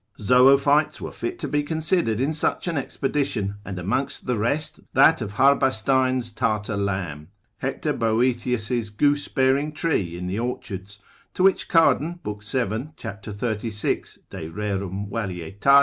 Zoophytes were fit to be considered in such an expedition, and amongst the rest that of Harbastein his Tartar lamb, Hector Boethius goosebearing tree in the orchards, to which Cardan lib. 7. cap. 36. de rerum varietat.